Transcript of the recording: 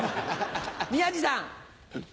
宮治さん。